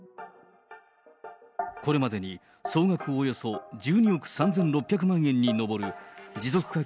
これまでに総額およそ１２億３６００万円に上る持続化